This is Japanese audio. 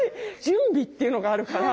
準備っていうのがあるから。